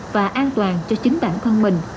và an toàn cho chính bản thân mình